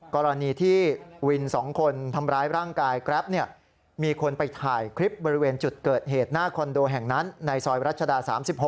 กรณีที่วิน๒คนทำร้ายร่างกายแกรปมีคนไปถ่ายคลิปบริเวณจุดเกิดเหตุหน้าคอนโดแห่งนั้นในซอยรัชดา๓๖